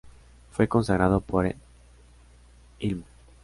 Fue consagrado por el Ilmo.